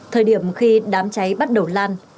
thời điểm khi đám cháy bắt đầu lan